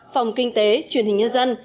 phòng kinh tế truyền hình nhân dân